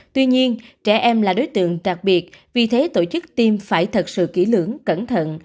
tuy nhiên trẻ em là đối tượng đặc biệt vì thế tổ chức tiêm phải thật sự kỹ lưỡng cẩn thận